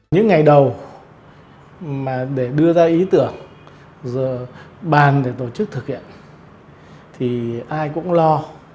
những ngày đầu để đưa ra ý tưởng giờ bàn để tổ chức thực hiện thì ai cũng lo